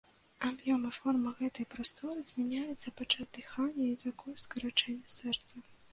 Аб'ём і форма гэтай прасторы змяняюцца падчас дыхання і за кошт скарачэння сэрца.